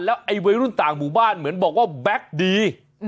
ไอ้วัยรุ่นต่างหมู่บ้านเหมือนบอกว่าแบ็คดี